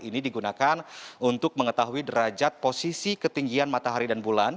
ini digunakan untuk mengetahui derajat posisi ketinggian matahari dan bulan